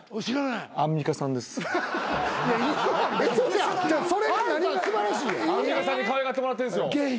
アンミカさんにかわいがってもらってるんですよ。